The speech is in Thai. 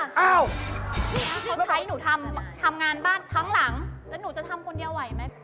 พี่ชดใช้หนูทำงานบ้านครั้งหลังแล้วหนูจะทำคนเดียวไหวไหม